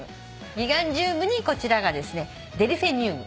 ギガンジュームにこちらがデルフィニウム。